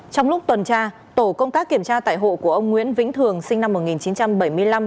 trong lúc tuần tra tổ công tác kiểm tra tại hộ của ông nguyễn vĩnh thường sinh năm một nghìn chín trăm bảy mươi năm